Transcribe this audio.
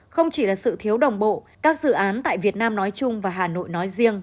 không chỉ là sự thiếu đồng bộ các dự án tại việt nam nói chung và hà nội nói riêng